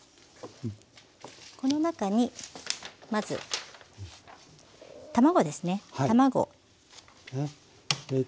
この中にまず卵ですね卵。